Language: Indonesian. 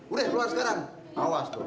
udah keluar sekarang awas tuh